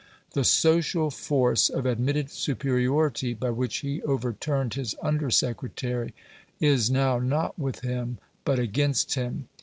The social force of admitted superiority by which he overturned his under secretary is now not with him but against him.